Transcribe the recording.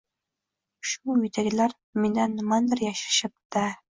Shu, uyidagilar mendan nimanidir yashirishyapti-da...